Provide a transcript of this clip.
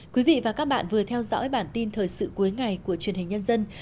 quý vị và các bạn vừa theo dõi bản tin thời sự cuối ngày của truyền hình nhân dân